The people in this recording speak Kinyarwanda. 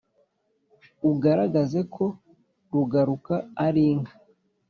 ugaragaze ko rugaruka arinka